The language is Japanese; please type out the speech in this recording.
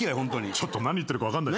ちょっと何言ってるか分かんない。